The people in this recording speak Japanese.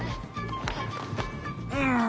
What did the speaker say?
うん！